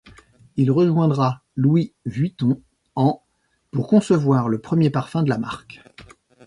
Il rejoindra Louis Vuitton en pour concevoir le premier parfum de la marque.